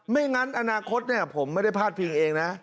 ไม่งั้นอนาคตผมไม่ได้พาดพิงเองนะ